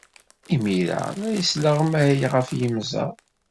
Imir-a, la yesleɣmay ɣef yimẓad.